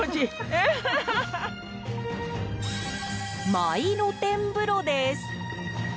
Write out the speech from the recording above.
マイ露天風呂です。